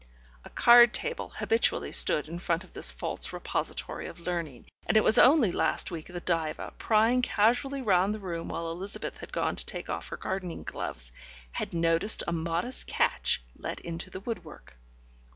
A card table habitually stood in front of this false repository of learning, and it was only last week that Diva, prying casually round the room while Elizabeth had gone to take off her gardening gloves, had noticed a modest catch let into the woodwork.